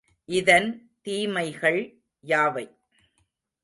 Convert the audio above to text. இதன் தீமைகள் யாவை?